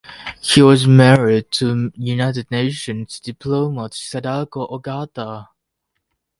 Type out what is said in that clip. He was married to United Nations diplomat Sadako Ogata.